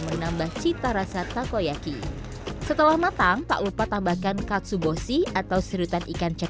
menambah cita rasa takoyaki setelah matang tak lupa tambahkan katsu bosi atau serutan ikan cek